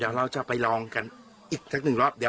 เดี๋ยวเราจะไปลองกันอีกสัก๑รอบ